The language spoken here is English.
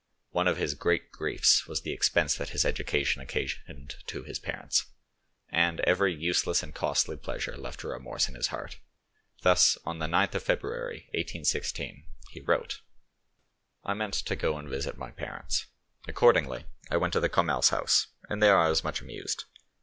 One of his great griefs was the expense that his education occasioned to his parents, and every useless and costly pleasure left a remorse in his heart. Thus, on the 9th of February 1816, he wrote:— "I meant to go and visit my parents. Accordingly I went to the 'Commers haus', and there I was much amused.